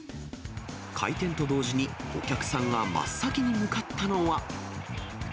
開店と同時に、お客さんが真っ先に向かったのは。